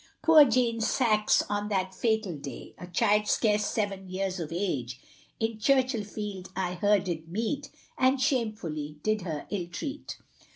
Poor Jane Sax, on that fatal day, A child scarce seven years of age; In Churchill field I her did meet, And shamefully did her illtreat.